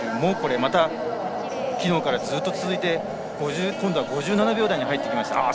また、昨日からずっと続いて今度は５７秒台に入ってきました。